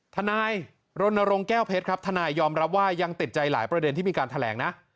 ทนายโรนโรงแก้วเพชรยอมรับว่ายังติดใจหลายประเด็นที่มีการแถลง